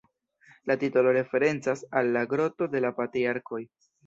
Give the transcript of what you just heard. La titolo referencas al la Groto de la Patriarkoj.